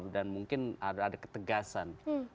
dan mungkin ada ketegasan